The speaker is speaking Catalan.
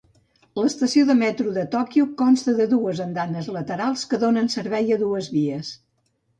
L'estació de metro de Tòquio consta de dues andanes laterals que donen servei a dues vies.